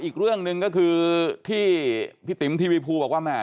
อีกเรื่องหนึ่งก็คือที่พี่ติ๋มทีวีภูบอกว่าแม่